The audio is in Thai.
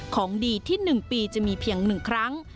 ของดีที่๑ปีจะมีเพียง๑ครั้ง